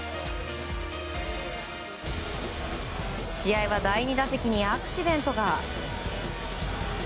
試合は第２打席にアクシデントが。